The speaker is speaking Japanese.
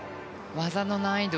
技の難易度